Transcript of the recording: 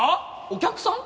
お客さん？